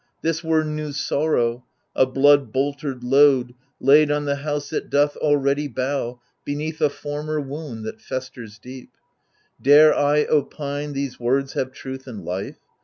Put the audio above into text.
This were new sorrow, a blood bolter'd load Laid on the house that doth already bow Beneath a former wound that festers deep. Dare I opine these words have truth and life